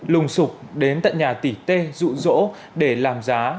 lùng sụp đến tận nhà tỷ tê rụ rỗ để làm giá